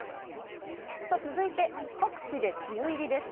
続いて各地で梅雨入りです。